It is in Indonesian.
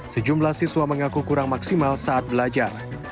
sejumlah siswa mengaku kurang maksimal saat belajar